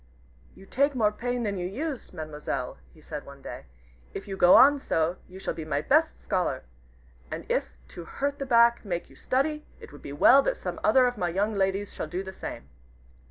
"You take more pain than you used, Mademoiselle," he said one day; "if you go on so, you shall be my best scholar. And if to hurt the back make you study, it would be well that some other of my young ladies shall do the same."